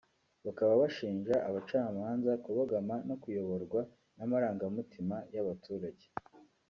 bakaba bashinja abacamanza kubogama no kuyoborwa n’amarangamutima y’abaturage